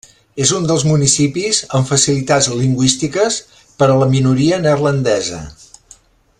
És un dels municipis amb facilitats lingüístiques per a la minoria neerlandesa.